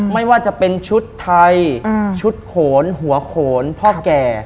ไม่ว่าจะเป็นชุดไทยชุดโขนหัวโขนพ่อแก่